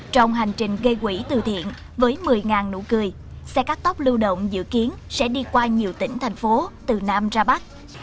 trong hành trình gây quỹ từ thiện với một mươi nụ cười xe cắt tóc lưu động dự kiến sẽ đi qua nhiều tỉnh thành phố từ nam ra bắc